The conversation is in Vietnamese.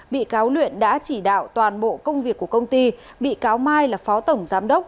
bị cáo luyện đã chỉ đạo toàn bộ công việc của công ty bị cáo mai là phó tổng giám đốc